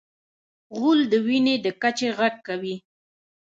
غول د وینې د کچې غږ کوي.